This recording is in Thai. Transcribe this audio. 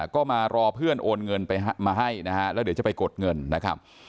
ก็มารอเพื่อนโอนเงินไปมาให้นะฮะแล้วเดี๋ยวจะไปกดเงินนะครับ